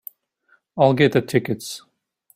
I'll get the tickets.